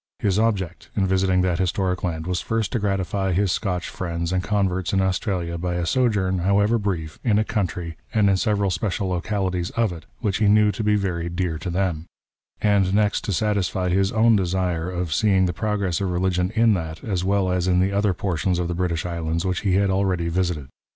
His object in visiting that historic land was first to gratify his Scotch friends and converts in Australia by a sojourn, however brief, in a country, and in several special localities of it, which he knew to be very dear to them ; and next to satisfy his own desire of seeing the progress of religion in that as well as in the other portions of the British Islands which he had already visited.